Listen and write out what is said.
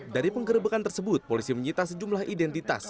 dari penggerebekan tersebut polisi menyita sejumlah identitas